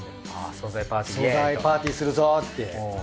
総菜パーティーするぞ！って。